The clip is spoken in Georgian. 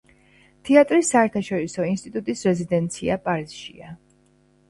თეატრის საერთაშორისო ინსტიტუტის რეზიდენცია პარიზშია.